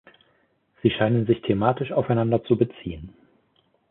Sie scheinen sich thematisch aufeinander zu beziehen.